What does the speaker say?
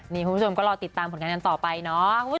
นี่คุณผู้ชมก็รอติดตามผลงานกันต่อไปเนาะ